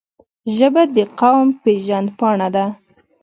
ژبه د قوم پېژند پاڼه ده